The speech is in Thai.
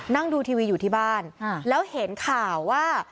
นั่งดูทีวีอยู่ที่บ้านแล้วเห็นข่าวว่า